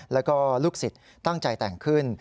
แล้วก็ลูกศิษย์ตั้งใจแต่งขึ้น